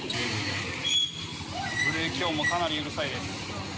ブレーキ音もかなりうるさいです。